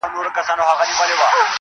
هم يې وچیچل اوزگړي او پسونه-